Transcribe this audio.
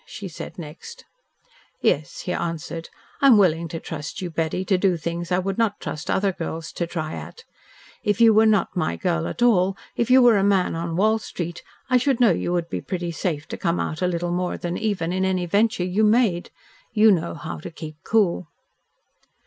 she said next. "Yes," he answered. "I am willing to trust you, Betty, to do things I would not trust other girls to try at. If you were not my girl at all, if you were a man on Wall Street, I should know you would be pretty safe to come out a little more than even in any venture you made. You know how to keep cool."